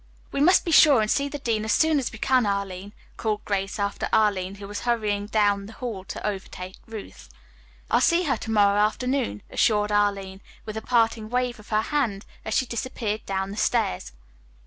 "We must be sure and see the dean as soon as we can, Arline," called Grace after Arline, who was hurrying down the hall to overtake Ruth. "I'll see her to morrow afternoon," assured Arline, with a parting wave of her hand as she disappeared down the stairs.